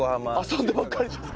遊んでばっかり。